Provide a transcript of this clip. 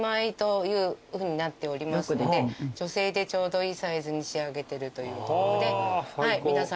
女性でちょうどいいサイズに仕上げてるということで。